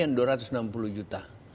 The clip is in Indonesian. yang dua ratus enam puluh juta